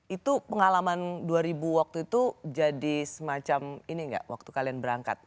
itu pengalaman dua ribu waktu itu jadi semacam ini nggak waktu kalian berangkat